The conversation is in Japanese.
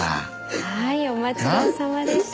はいお待ちどおさまでした。